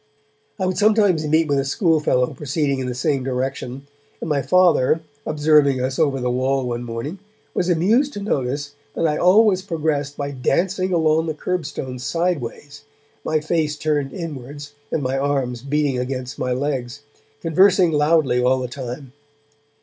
I would sometimes meet with a schoolfellow proceeding in the same direction, and my Father, observing us over the wall one morning, was amused to notice that I always progressed by dancing along the curbstone sideways, my face turned inwards and my arms beating against my legs, conversing loudly all the time.